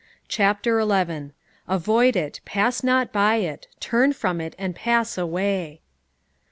CHAPTER XI. "Avoid it, pass not by it, turn from it, and pass away."